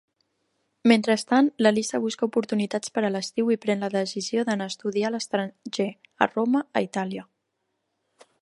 Mentrestant, la Lisa busca oportunitats per a l'estiu i pren la decisió d'anar a estudiar a l'estranger, a Roma, a Itàlia.